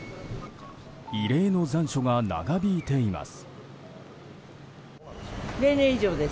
異例の残暑が長引いています。